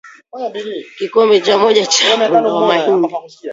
kikombe moja cha unga wa mahindi